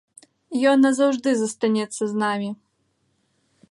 Ён назаўжды застанецца з намі.